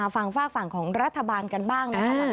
ฟังฝากฝั่งของรัฐบาลกันบ้างนะครับ